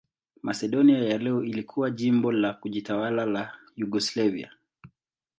Masedonia ya leo ilikuwa jimbo la kujitawala la Yugoslavia.